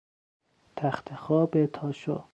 تخت خواب تاشو